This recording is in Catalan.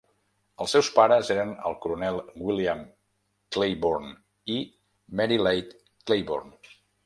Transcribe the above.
Els seus pares eren el coronel William Claiborne i Mary Leigh Claiborne.